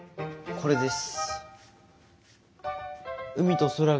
これです。